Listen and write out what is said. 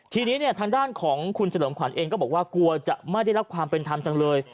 ทีนี้เนี่ยทางด้านของคุณเฉลิมขวัญเองก็บอกว่ากลัวจะไม่ได้รับความเป็นธรรมจังเลย